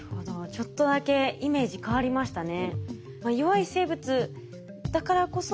ちょっとだけイメージ変わりましたね。